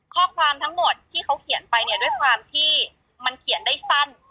ข้อความทั้งหมดที่เขาเขียนไปเนี่ยด้วยความที่มันเขียนได้สั้น